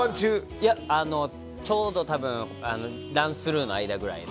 いや、ちょうど多分ランスルーの間ぐらいで。